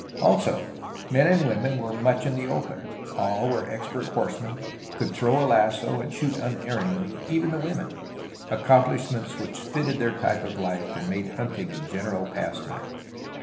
Also, men and women were much in the open; all were expert horsemen, could throw a lasso, and shoot unerringly, even the women, accomplishments which fitted their type of life, and made hunting a general pastime.